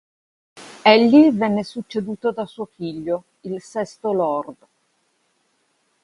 Egli venne succeduto da suo figlio, il sesto lord.